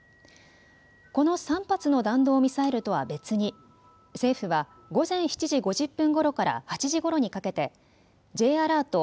この３発の弾道ミサイルとは別に政府は午前７時５０分ごろから８時ごろにかけてＪアラート